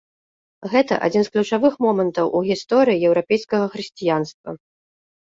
Гэта адзін з ключавых момантаў у гісторыі еўрапейскага хрысціянства.